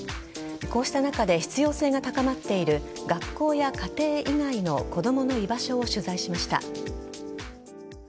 こうした中で必要性が高まっている学校や家庭以外の子供の居場所を取材しました。